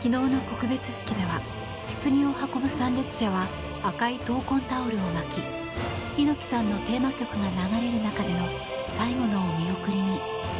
昨日の告別式ではひつぎを運ぶ参列者は赤い闘魂タオルを巻き猪木さんのテーマ曲が流れる中での最後のお見送りに。